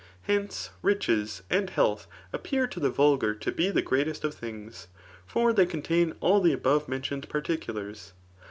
H^ice, riches and health appear [to the vulgar] to be the greatest of things ; for these contain all the above mentioned particulars.